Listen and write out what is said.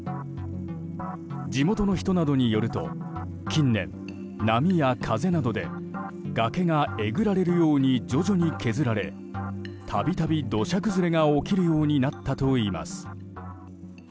地元の人などによると近年、波や風などで崖がえぐられるように徐々に削られ度々、土砂崩れが起きるようになったといいます。